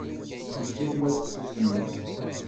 Yif-it ma tsusmem.